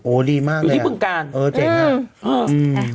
โอ้ดีมากเลยอ่ะเออเจ๋งค่ะอยู่ที่ปรึงการ